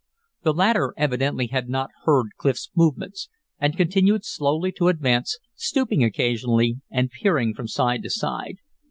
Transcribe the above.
The latter evidently had not heard Clif's movements, and continued slowly to advance, stooping occasionally and peering from side to side.